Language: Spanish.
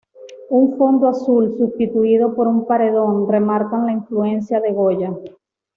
Un fondo azul, sustituido por un paredón, remarcan la influencia de Goya.